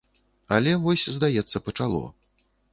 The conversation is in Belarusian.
Але вось здаецца пачало.